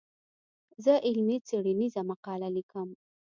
زه علمي څېړنيزه مقاله ليکم.